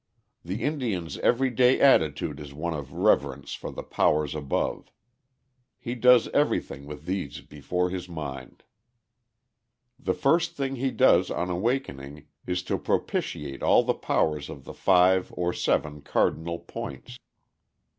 The Indian's every day attitude is one of reverence for the Powers Above. He does everything with these before his mind. The first thing he does on awakening is to propitiate all the powers of the five or seven cardinal points.